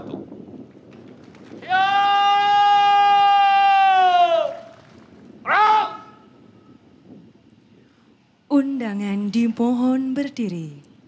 undangan di pohon berdiri